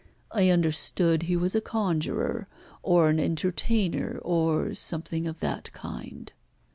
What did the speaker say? "I understood he was a conjurer, or an entertainer, or something of that kind."